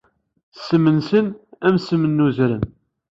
Ssem-nsen am ssem n uzrem.